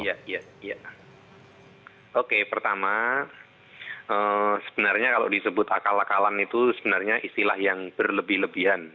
iya iya oke pertama sebenarnya kalau disebut akal akalan itu sebenarnya istilah yang berlebih lebihan